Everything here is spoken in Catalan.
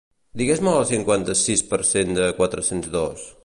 Digues-me el cinquanta-sis per cent de quatre-cents dos.